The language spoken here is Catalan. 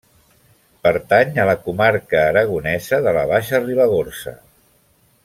Pertany a la comarca aragonesa de la Baixa Ribagorça.